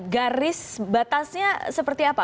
garis batasnya seperti apa